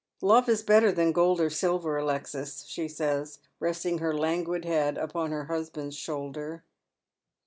" Love is better than gold or silver, Alexis," she says, resting her languid head upon her husband's shoulder.